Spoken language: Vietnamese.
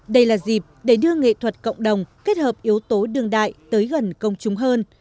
đây là dịp để đưa nghệ thuật cộng đồng kết hợp yếu tố đường đại tới gần công chúng hơn